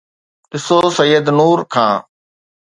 ڏسو سيد نور کان